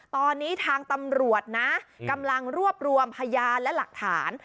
ตอนนี้ทางตำรวจนะกำลังรวบรวมพยานและหลักฐาน